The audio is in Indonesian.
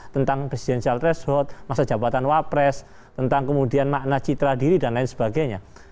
tentang presidensial threshold masa jabatan wapres tentang kemudian makna citra diri dan lain sebagainya